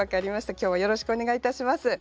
今日はよろしくお願いいたします。